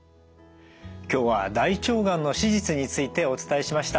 今日は大腸がんの手術についてお伝えしました。